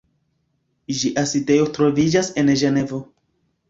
Ĝia sidejo troviĝas en Ĝenevo.